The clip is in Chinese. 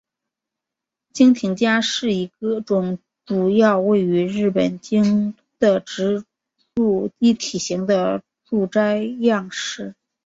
京町家是一种主要位于日本京都的职住一体型的住宅样式。